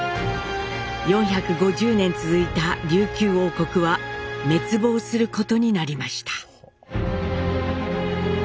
４５０年続いた琉球王国は滅亡することになりました。